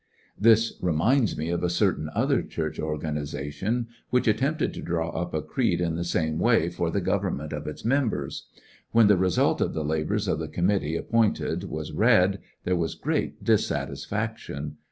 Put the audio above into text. A compromise This reminds me of a certain other church organization which attempted to draw up a creed in the same way for the government of its members. When the result of the labors of the committee appointed was read there was great dissatisfeiction.